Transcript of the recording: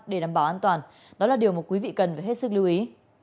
để đảm bảo an toàn đó là điều mà quý vị cần phải hết sức lưu ý